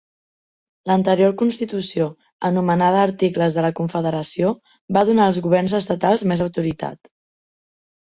L'anterior constitució, anomenada Articles de la Confederació, va donar als governs estatals més autoritat.